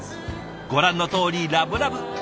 ご覧のとおりラブラブ。